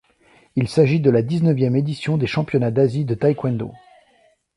Il s'agit de la dix-neuvième édition des championnats d'Asie de taekwondo.